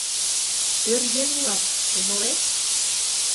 Пӧръеҥ улат — умылет...